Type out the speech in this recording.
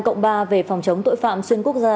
cộng ba về phòng chống tội phạm xuyên quốc gia